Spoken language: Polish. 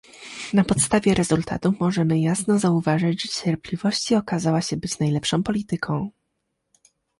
Na podstawie rezultatów możemy jasno zauważyć, że cierpliwości okazała się być najlepszą polityką